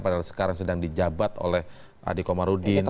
padahal sekarang sedang di jabat oleh adi komarudin